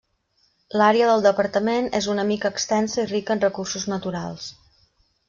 L'àrea del departament és una mica extensa i rica en recursos naturals.